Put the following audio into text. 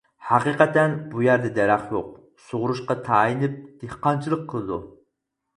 ھەقىقەتەن بۇ يەردە دەرەخ يوق، سۇغۇرۇشقا تايىنىپ دېھقانچىلىق قىلىدۇ.